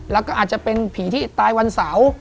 แล้วก็อาจจะเป็นผีที่ตายวันเสาร์